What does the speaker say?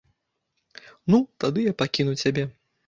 Ну, тады я пакіну цябе.